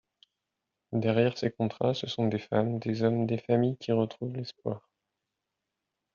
Derrière ces contrats, ce sont des femmes, des hommes, des familles qui retrouvent l’espoir.